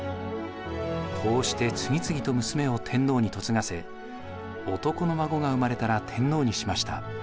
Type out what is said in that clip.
こうして次々と娘を天皇に嫁がせ男の孫が生まれたら天皇にしました。